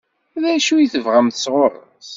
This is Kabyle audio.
D acu i tebɣamt sɣur-s?